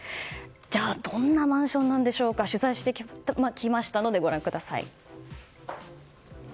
じゃあ、どんなマンションなんでしょうか取材してきましたのでご覧ください。